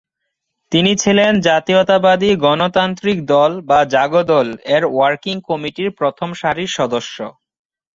তিনি ছিলেন জাতীয়তাবাদী গণতান্ত্রিক দল বা জাগদল-এর ওয়ার্কিং কমিটির প্রথম সারির সদস্য।